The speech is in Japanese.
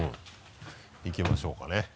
いきましょうかね。